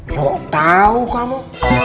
sok tahu kamu